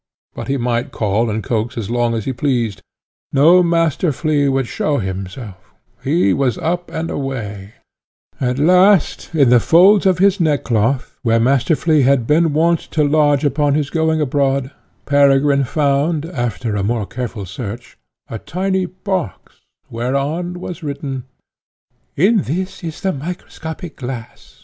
But he might call and coax as long as he pleased, no Master Flea would show himself; he was up and away: at last, in the folds of his neckcloth, where Master Flea had been wont to lodge upon his going abroad, Peregrine found, after a more careful search, a tiny box, whereon was written: "In this is the microscopic glass.